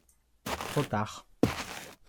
Trop tard.